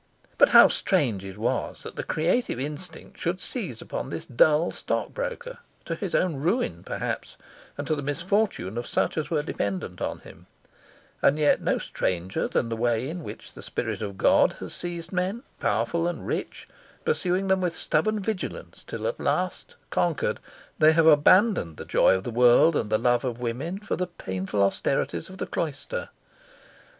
But how strange it was that the creative instinct should seize upon this dull stockbroker, to his own ruin, perhaps, and to the misfortune of such as were dependent on him; and yet no stranger than the way in which the spirit of God has seized men, powerful and rich, pursuing them with stubborn vigilance till at last, conquered, they have abandoned the joy of the world and the love of women for the painful austerities of the cloister.